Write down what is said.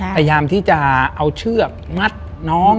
พยายามที่จะเอาเชือกมัดน้อง